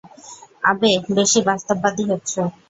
আবে বেশি বাস্তববাদী হচ্ছো।